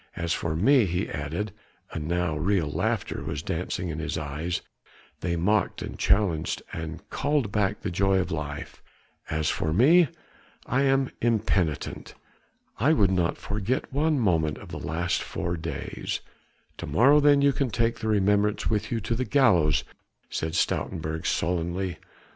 As for me," he added and now real laughter was dancing in his eyes: they mocked and challenged and called back the joy of life, "as for me, I am impenitent. I would not forget one minute of the last four days." "To morrow then you can take the remembrance with you to the gallows," said Stoutenburg sullenly.